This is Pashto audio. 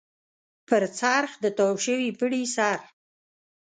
پر څرخ د تاو شوي پړي سر.